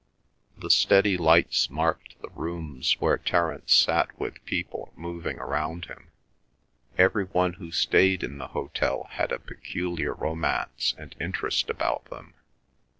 The steady lights marked the rooms where Terence sat with people moving round him. Every one who stayed in the hotel had a peculiar romance and interest about them.